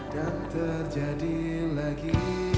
dan terjadi lagi